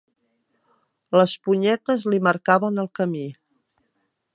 Les punyetes li marcaven el camí.